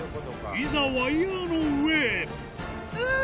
いざワイヤの上へうぅ！